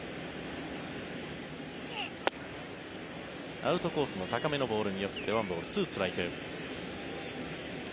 アウトコースの高めのボール見送って１ボール２ストライク。